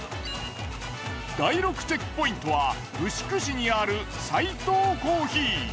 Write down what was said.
第６チェックポイントは牛久市にあるサイトウコーヒー。